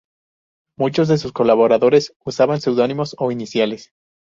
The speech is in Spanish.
Muchos de sus colaboradores usaban pseudónimos o iniciales.